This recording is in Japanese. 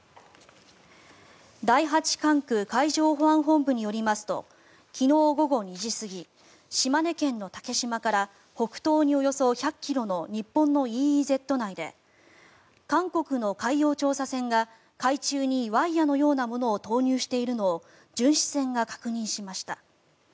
第八管区海上保安本部によりますと昨日午後２時過ぎ島根県の竹島から北東におよそ１００ｋｍの日本のＥＥＺ内で韓国の海洋調査船が海中にワイヤのようなものを投入しているのを巡視船が確認しました。